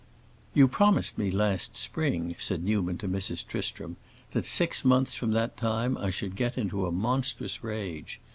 "You promised me last spring," said Newman to Mrs. Tristram, "that six months from that time I should get into a monstrous rage.